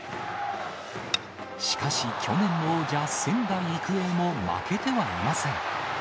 しかし、去年の王者、仙台育英も負けてはいません。